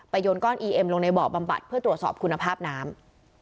โยนก้อนอีเอ็มลงในบ่อบำบัดเพื่อตรวจสอบคุณภาพน้ำ